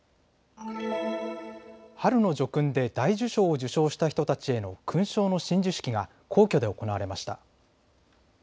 春の叙勲で大綬章を受章した人たちへの勲章の親授式が皇居で行われました。